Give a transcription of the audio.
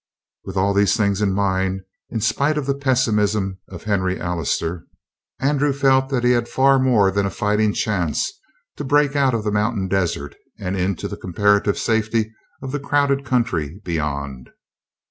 With all these things in mind, in spite of the pessimism of Henry Allister, Andrew felt that he had far more than a fighting chance to break out of the mountain desert and into the comparative safety of the crowded country beyond.